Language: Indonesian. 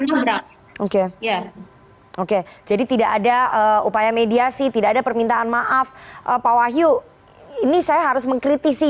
cukup berat oke ya oke jadi tidak ada upaya mediasi tidak ada permintaan maaf pak wahyu ini saya harus mengkritisi